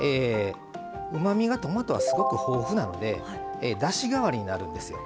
うまみがトマトはすごく豊富なのでだしがわりになるんですよ。